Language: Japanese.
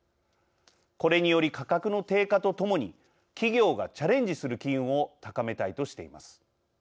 これにより価格の低下とともに企業がチャレンジする機運を高めたいとしています。